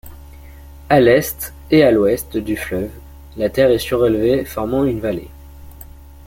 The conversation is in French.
À l'est et à l'ouest du fleuve, la terre est surélevée formant une vallée.